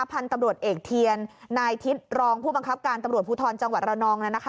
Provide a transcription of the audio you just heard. พันธุ์ตำรวจเอกเทียนนายทิศรองผู้บังคับการตำรวจภูทรจังหวัดระนอง